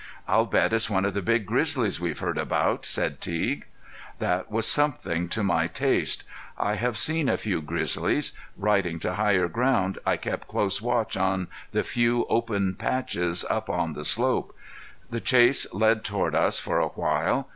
"I'll bet it's one of the big grizzlies we've heard about," said Teague. That was something to my taste. I have seen a few grizzlies. Riding to higher ground I kept close watch on the few open patches up on the slope. The chase led toward us for a while.